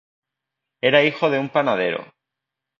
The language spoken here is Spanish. Era hijo de un panadero.